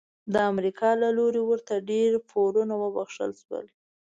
د امریکا له لوري ورته ډیری پورونه وبخښل شول.